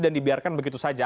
dan dibiarkan begitu saja